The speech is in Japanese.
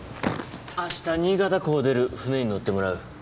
明日新潟港を出る船に乗ってもらう。